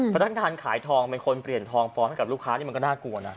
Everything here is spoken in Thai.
พนักงานขายทองเป็นคนเปลี่ยนทองปลอมให้กับลูกค้านี่มันก็น่ากลัวนะ